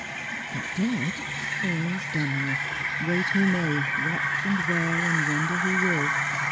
Bnt dead ! Alls done with : wait who may, Watch and wear and wonder who will.